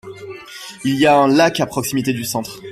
Il y a un lac à proximité du centre.